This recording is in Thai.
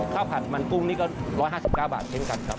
ผัดมันกุ้งนี่ก็๑๕๙บาทเช่นกันครับ